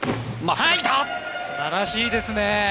素晴らしいですね。